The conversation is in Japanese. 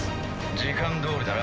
時間どおりだな。